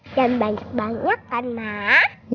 jangan banyak banyak kan nak